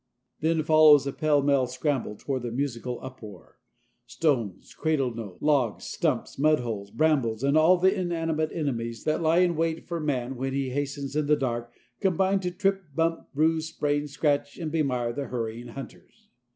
Then follows a pell mell scramble toward the musical uproar. Stones, cradle knolls, logs, stumps, mud holes, brambles and all the inanimate enemies that lie in wait for man when he hastens in the dark, combine to trip, bump, bruise, sprain, scratch, and bemire the hurrying hunters.